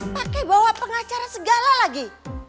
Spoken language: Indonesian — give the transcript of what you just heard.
pakai bawa pengacara segala lagi